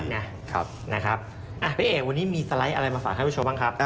พี่เอกวันนี้มีสไลด์อะไรมาฝากท่านผู้ชมบ้างครับ